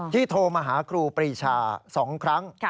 ที่โทมาหากรูปริชา๒ครั้ง